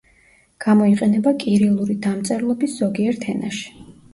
გამოიყენება კირილური დამწერლობის ზოგიერთ ენაში.